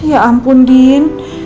ya ampun din